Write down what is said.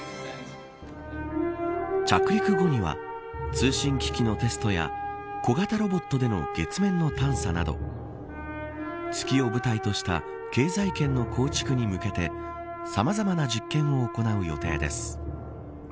着陸後には通信機器のテストや小型ロボットでの月面の探査など月を舞台とした経済圏の構築に向けてさまざまな実験を行う予定です。